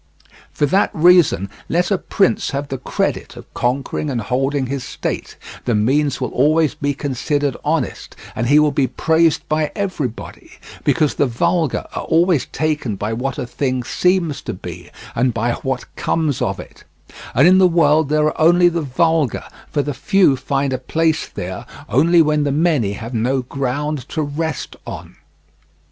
For that reason, let a prince have the credit of conquering and holding his state, the means will always be considered honest, and he will be praised by everybody; because the vulgar are always taken by what a thing seems to be and by what comes of it; and in the world there are only the vulgar, for the few find a place there only when the many have no ground to rest on.